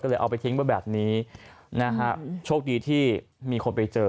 ก็เลยเอาไปทิ้งไว้แบบนี้นะฮะโชคดีที่มีคนไปเจอ